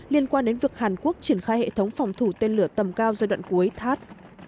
liên quan đến việc hàn quốc triển khai hệ thống phòng thủ tên lửa tầm cao giai đoạn cuối thắt